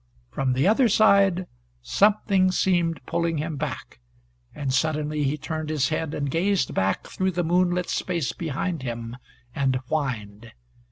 From the other side something seemed pulling him back, and suddenly he turned his head and gazed back through the moonlit space behind him, and whined.